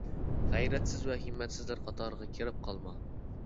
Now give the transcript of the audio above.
غەيرەتسىز ۋە ھىممەتسىزلەر قاتارىغا كىرىپ قالما.